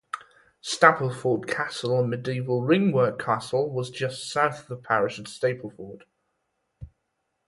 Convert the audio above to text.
Stapleford Castle, a medieval ringwork castle, was just south of the parish at Stapleford.